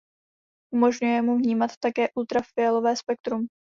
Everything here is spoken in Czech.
Umožňuje mu vnímat také ultrafialové spektrum.